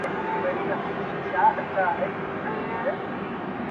زه چي خدای رحمت پیدا کړم زه باران سومه اورېږم,